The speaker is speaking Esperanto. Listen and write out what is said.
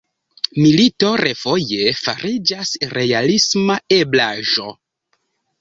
Milito refoje fariĝas realisma eblaĵo.